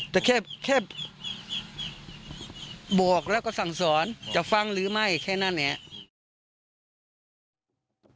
แต่แค่บวกแล้วก็สั่งสอนจะฟังหรือไม่แค่นั้นเนี่ย